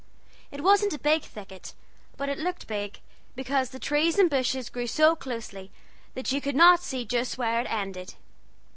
It wasn't a big thicket, but it looked big, because the trees and bushes grew so closely that you could not see just where it ended.